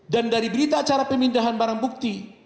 dan dari berita acara pemindahan barang bukti